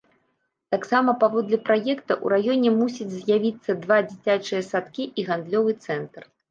Таксама паводле праекта ў раёне мусіць з'явіцца два дзіцячыя садкі і гандлёвы цэнтр.